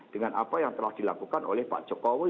dengan apa yang telah dilakukan oleh pak jokowi